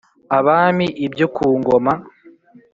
Abami Ibyo Ku Ngoma